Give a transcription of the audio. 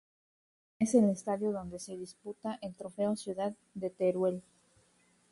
Es el estadio donde se disputa el Trofeo Ciudad de Teruel.